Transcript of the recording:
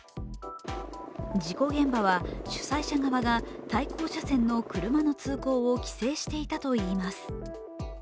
事故現場は、主催者側が対向車線の車の通行を規制していたといいます。